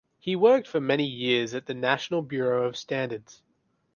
He worked for many years at the National Bureau of standards.